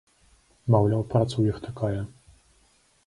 Маўляў, праца ў іх такая.